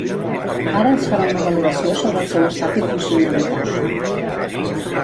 Ara es farà una valoració sobre el seu estat i funcionalitat.